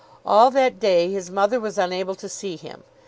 All that day his mother was unable to see him.